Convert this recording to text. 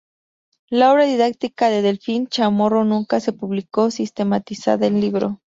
La obra didáctica de Delfín Chamorro nunca se publicó sistematizada en libro.